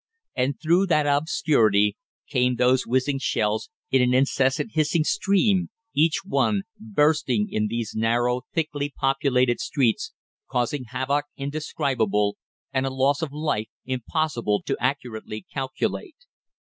And through that obscurity came those whizzing shells in an incessant hissing stream, each one, bursting in these narrow, thickly populated streets, causing havoc indescribable, and a loss of life impossible to accurately calculate.